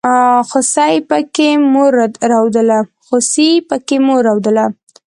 خوسي پکې مور رودله.